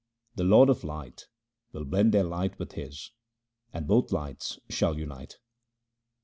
The Lord of light will blend their light with His, and both lights shall unite.